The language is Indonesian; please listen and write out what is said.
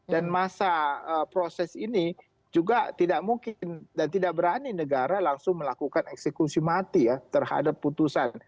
dan masa proses ini juga tidak mungkin dan tidak berani negara langsung melakukan eksekusi mati ya terhadap putusan